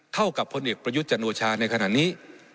เท่ากับคนเอกประยุจจันทร์โอชาในขณะนี้